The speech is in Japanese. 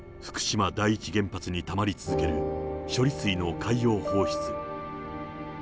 福島第一原発にたまり続ける処理水の海洋放出。